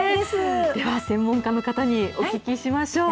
では専門家の方にお聞きしましょう。